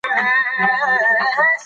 هغه د الهي حساب احساس درلود.